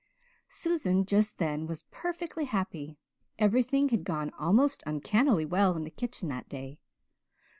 Susan just then was perfectly happy; everything had gone almost uncannily well in the kitchen that day.